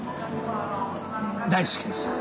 大好きです！